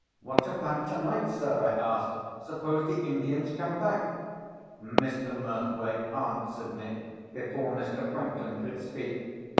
"What about tonight, sir?" I asked. "Suppose the Indians come back?" Mr. Murthwaite answered me before Mr. Franklin could speak.